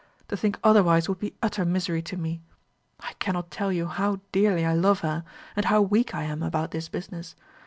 To think otherwise would be utter misery to me. I cannot tell you how dearly I love her, and how weak I am about this business.